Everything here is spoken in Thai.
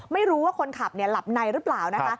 ไม่รู้ว่าคนขับหลับในหรือเปล่านะคะ